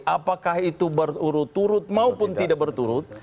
apakah itu berturut turut maupun tidak berturut